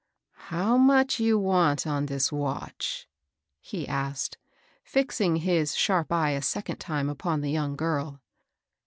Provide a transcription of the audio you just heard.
How much you vant on dis vatch ?" he asked, fixing his sharp eye a second time upon the young girl.